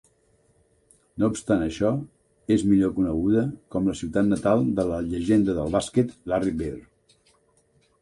No obstant això, és millor coneguda com la ciutat natal de la llegenda del bàsquet, Larry Bird.